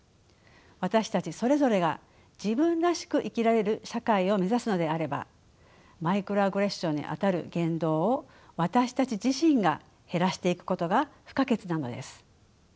私たちそれぞれが自分らしく生きられる社会を目指すのであればマイクロアグレッションにあたる言動を私たち自身が減らしていくことが不可欠なのです。